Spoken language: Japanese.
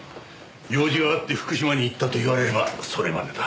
用事があって福島に行ったと言われればそれまでだ。